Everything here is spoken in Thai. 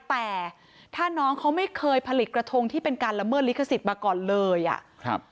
แต่ถ้าน้องเขาไม่เคยผลิตกระทงที่เป็นการละเมิดลิขสิทธิ์มาก่อนเลยอ่ะครับ